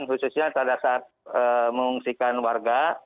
khususnya pada saat mengungsikan warga